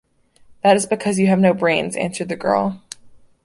"That is because you have no brains," answered the girl.